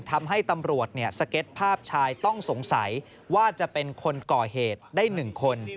ทำให้ตำรวจสเก็ตภาพชายต้องสงสัยว่าจะเป็นคนก่อเหตุได้๑คน